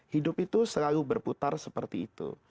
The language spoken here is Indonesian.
hidup itu selalu berputar seperti itu